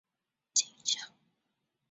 以独特的流线型外观成为流经的景象。